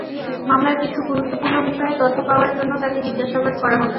মামলার কিছু গুরুত্বপূর্ণ বিষয়ে তথ্য পাওয়ার জন্য তাঁকে জিজ্ঞাসাবাদ করা হচ্ছে।